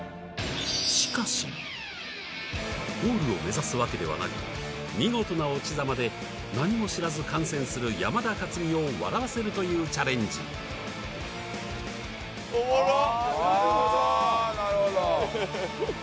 しかしゴールを目指すわけではなく見事な落ちざまで何も知らず観戦する山田勝己を笑わせるというチャレンジおもろ！